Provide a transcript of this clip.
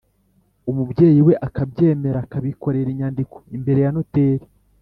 umubyeyi we akabyemera, akabikorera inyandiko imbere ya noteri.